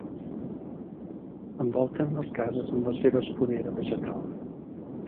Envolten les cases amb la seva esponera vegetal.